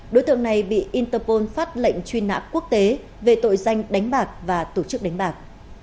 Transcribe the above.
đối tượng này bị interpol phát lệnh truy nã quốc tế về tội danh đánh bạc và tổ chức đánh bạc